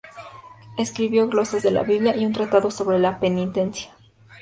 Escribió glosas de la Biblia y un tratado sobre la Penitencia.